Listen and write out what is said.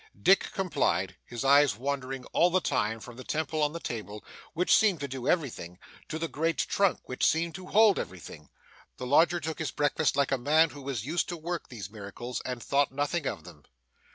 Dick complied, his eyes wandering all the time from the temple on the table, which seemed to do everything, to the great trunk which seemed to hold everything. The lodger took his breakfast like a man who was used to work these miracles, and thought nothing of them.